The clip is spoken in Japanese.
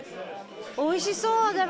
おいしそうでも。